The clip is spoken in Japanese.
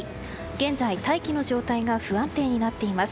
現在、大気の状態が不安定になっています。